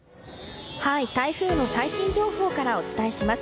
台風の最新情報からお伝えします。